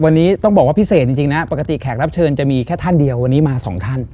วันนี้ต้องบอกว่าพิเศษจริงนะปกติแขกรับเชิญจะมีแค่ท่านเดียววันนี้มาสองท่าน